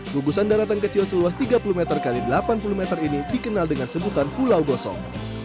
gugusan daratan kecil seluas tiga puluh meter x delapan puluh meter ini dikenal dengan sebutan pulau gosong